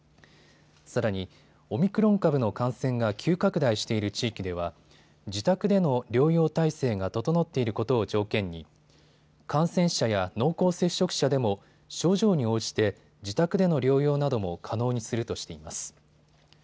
さらに、オミクロン株の感染が急拡大している地域では自宅での療養体制が整っていることを条件に感染者や濃厚接触者でも症状に応じて自宅での療養なども可能にするとしています。